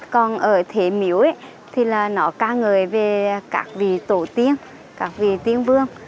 còn ở thế miếu thì là nó ca ngợi về các vị tổ tiên các vị tiên vương